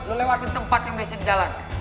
lo lewatin tempat yang ada disana di jalan